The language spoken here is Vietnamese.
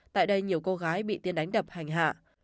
tại đây nhiều cô gái bị tiên đánh đập hành hạ